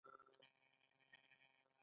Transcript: صادرات باید زیات شي